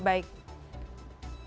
baik mbak zoya